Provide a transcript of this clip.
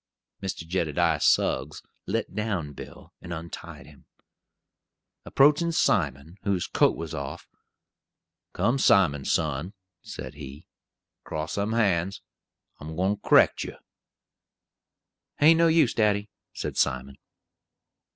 Mr. Jedediah Suggs let down Bill and untied him. Approaching Simon, whose coat was off, "Come, Simon, son," said he, "cross them hands; I'm gwine to correct you." "It ain't no use, daddy," said Simon.